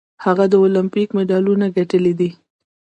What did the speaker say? هغه د المپیک مډالونه ګټلي دي.